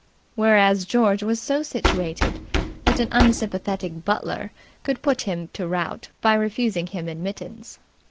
Whereas George was so situated that an unsympathetic butler could put him to rout by refusing him admittance.